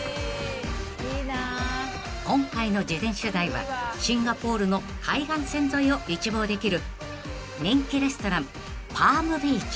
［今回の事前取材はシンガポールの海岸線沿いを一望できる人気レストラン］